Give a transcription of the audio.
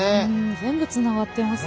全部つながってますね。